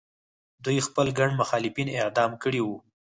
دوی خپل ګڼ مخالفین اعدام کړي وو.